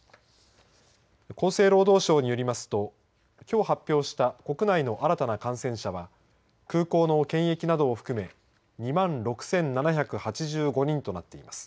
厚生労働省によりますときょう発表した国内の新たな感染者は空港の検疫などを含め２万６７８５人となっています。